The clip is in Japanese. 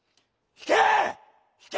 引け！